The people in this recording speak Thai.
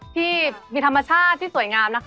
ที่มีธรรมชาติที่สวยงามนะคะ